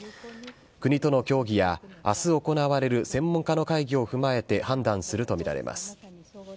国との協議や、あす行われる専門家の会議を踏まえて判断すると見られます。